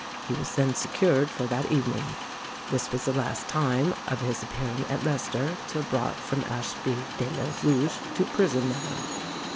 He was then secured for that evening. This was the last time of his appearing at Leicester, till brought from Ashby de la Zouche to prison there.